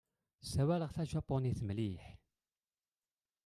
Ssawaleɣ tajapunit mliḥ.